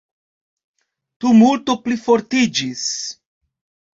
Tumulto plifortiĝis.